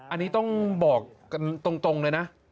อันนี้ต้องบอกกันตรงเลยนะ